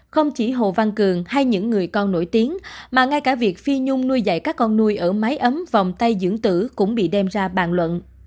không chỉ hồ văn cường hay những người con nổi tiếng mà ngay cả việc phi nhung nuôi dạy các con nuôi ở máy ấm vòng tay dưỡng tử cũng bị đem ra bàn luận